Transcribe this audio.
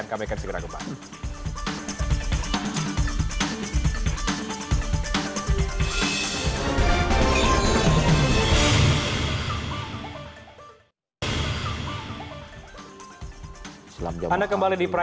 kita tahan dulu